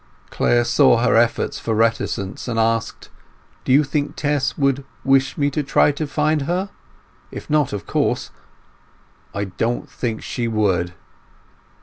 Clare saw her efforts for reticence, and asked— "Do you think Tess would wish me to try and find her? If not, of course—" "I don't think she would."